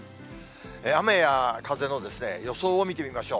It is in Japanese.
雨や風の予想を見てみましょう。